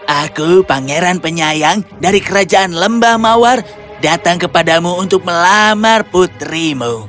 aku pangeran penyayang dari kerajaan lembah mawar datang kepadamu untuk melamar putrimu